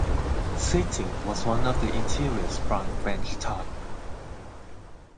Seating was of the interior sprung bench type.